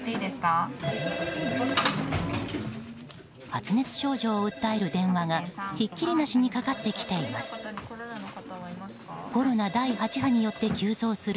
発熱症状を訴える電話がひっきりなしにかかってきています。